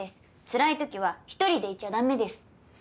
つらいときは一人でいちゃ駄目です。